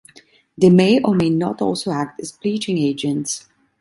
They may or may not also act as bleaching agents.